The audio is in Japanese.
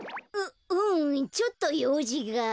ううんちょっとようじが。